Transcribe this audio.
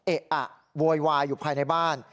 เอ๊ะอะโวยวายอยู่ภายในบ้าน